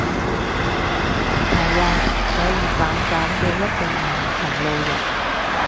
係呀。所以反感嘅一定唔係同路人